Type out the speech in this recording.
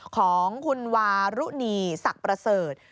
ของคุณวารุณีศักดิ์ประเสริฐ